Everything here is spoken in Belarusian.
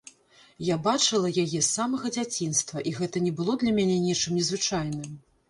Я бачыла яе з самага дзяцінства, і гэта не было для мяне нечым незвычайным.